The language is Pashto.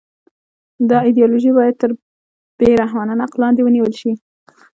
دا ایدیالوژي باید تر بې رحمانه نقد لاندې ونیول شي